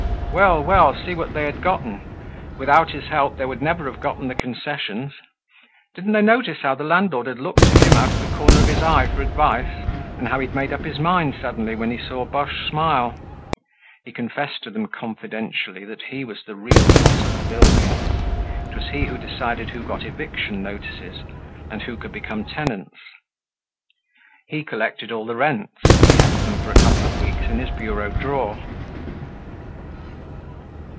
Well, well, see what they had gotten. Without his help, they would never have gotten the concessions. Didn't they notice how the landlord had looked to him out of the corner of his eye for advice and how he'd made up his mind suddenly when he saw Boche smile? He confessed to them confidentially that he was the real boss of the building. It was he who decided who got eviction notices and who could become tenants. He collected all the rents and kept them for a couple of weeks in his bureau drawer.